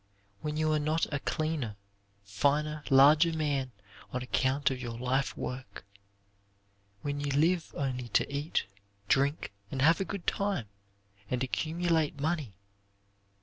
When you are not a cleaner, finer, larger man on account of your life work. When you live only to eat, drink, have a good time, and accumulate money.